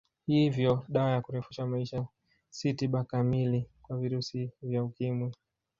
Hivyo dawa za kurefusha maisha si tiba kamili kwa virusi vya Ukimwi